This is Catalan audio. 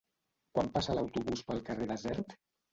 Quan passa l'autobús pel carrer Desert?